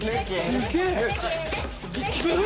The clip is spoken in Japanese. すげえ。